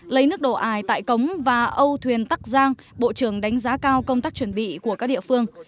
lấy nước đổ ải tại cống và âu thuyền tắc giang bộ trưởng đánh giá cao công tác chuẩn bị của các địa phương